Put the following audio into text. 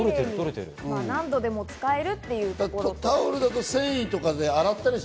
何度でも使えるというところが。